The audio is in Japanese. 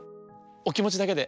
おきもちだけで。